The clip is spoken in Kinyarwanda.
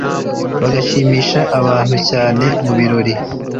bigashimisha abantu cyane mu birori